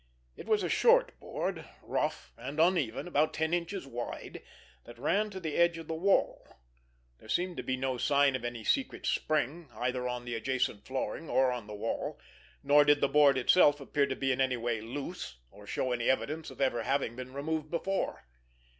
It was a short board, rough and uneven, about ten inches wide, that ran to the edge of the wall. There seemed to be no sign of any secret spring, either on the adjacent flooring or on the wall, nor did the board itself appear to be in any way loose or show any evidence of ever having been removed before.